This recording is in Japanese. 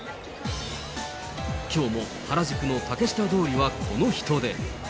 きょうも原宿の竹下通りはこの人出。